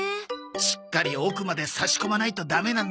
しっかり奥まで差し込まないとダメなんだよ。